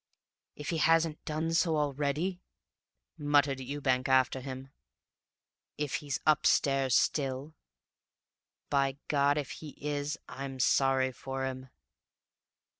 "'If he hasn't done so already,' muttered Ewbank after him; 'if he's upstairs still! By God, if he is, I'm sorry for him!'